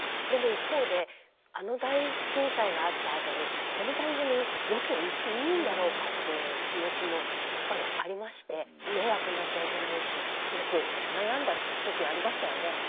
でも一方であの大震災があったあとにこの番組ロケ行っていいんだろうかっていう気持ちもやっぱりありまして迷惑になっちゃいけないしってすごく悩んだ時ありましたよね。